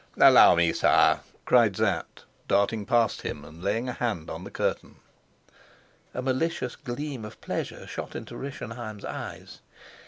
"Allow me, sire," cried Sapt, darting past him and laying a hand on the curtain. A malicious gleam of pleasure shot into Rischenheim's eyes.